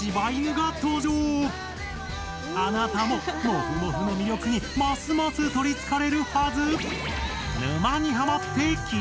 あなたもモフモフの魅力にますます取りつかれるはず！